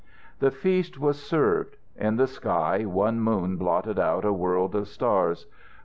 The feast was served. In the sky one moon blotted out a world of stars.